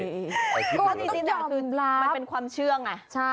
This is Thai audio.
ก็ต้องยอมมันเป็นความเชื่อง